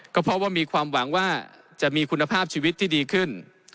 ก็เพราะว่ามีความหวังว่าจะมีคุณภาพชีวิตที่ดีขึ้น